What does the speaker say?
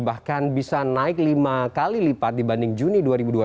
bahkan bisa naik lima kali lipat dibanding juni dua ribu dua puluh